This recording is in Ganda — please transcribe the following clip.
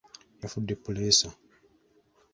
Yafudde puleesa.